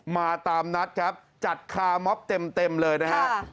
มาตามนัดครับจัดคาร์มอบเต็มเลยนะฮะ